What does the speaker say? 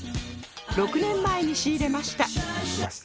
６年前に仕入れました